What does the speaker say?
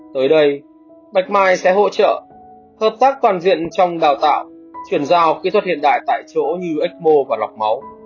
tới đây bạch mai sẽ hỗ trợ hợp tác toàn diện trong đào tạo chuyển giao kỹ thuật hiện đại tại chỗ như ecmo và lọc máu